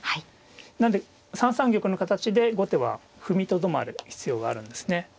なんで３三玉の形で後手は踏みとどまる必要があるんですね。